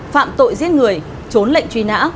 phạm tội giết người trốn lệnh truy nã